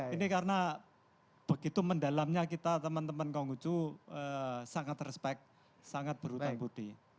ini karena begitu mendalamnya kita teman teman konghucu sangat respect sangat berhutang budi